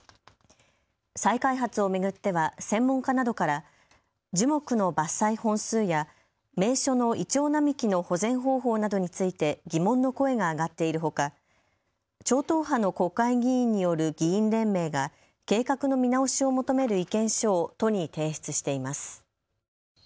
再開発を巡っては専門家などから樹木の伐採本数や名所のイチョウ並木の保全方法などについて疑問の声が上がっているほか、超党派の国会議員による議員連盟が計画の見直しを求める意見書を都に提出しています。